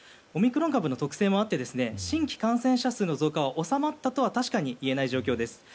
オミクロン株の特性もあって新規感染者数の増加は収まったとは確かに言えない状況です。